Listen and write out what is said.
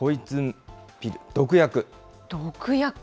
毒薬？